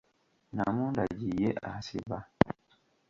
Namundagi ye asiba.